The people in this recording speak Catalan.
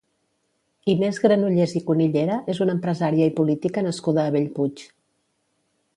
Inés Granollers i Cunillera és una empresària i política nascuda a Bellpuig.